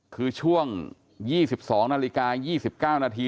คือช่วง๒๒นาฬิกา๒๙นาที